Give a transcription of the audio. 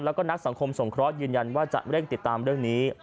แล้วก็นักสังคมสงเคราะห์ยืนยันว่าจะเร่งติดตามเรื่องนี้